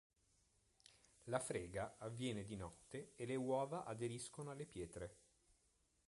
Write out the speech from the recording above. La frega avviene di notte e le uova aderiscono alle pietre.